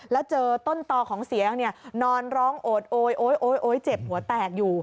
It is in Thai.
แล้วเจอต้นต่อของเสียงนอนร้องโอดโอ๊ยโอ๊ยโอ๊ยเจ็บหัวแตกอยู่